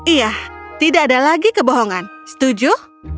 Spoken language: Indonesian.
iya tidak ada lagi kebohongan setuju